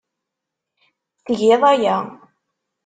Tgiḍ aya.